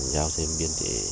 giao xem biên chế